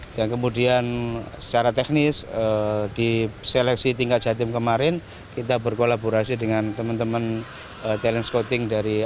dan kemudian secara teknis di seleksi tingkat jatim kemarin kita berkolaborasi dengan teman teman talent scouting